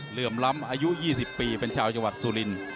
เหลืมล้ำอายุ๒๐ปีเป็นชาวจังหวัดสุรินทร์